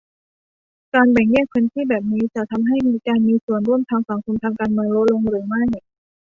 การแบ่งแยกพื้นที่แบบนี้ จะทำให้การมีส่วนร่วมทางสังคมการเมืองลดลงหรือเปล่า